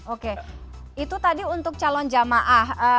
oke itu tadi untuk calon jamaah